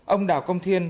ông đào công thiên